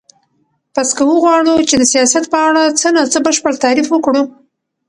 پس که وغواړو چی د سیاست په اړه څه نا څه بشپړ تعریف وکړو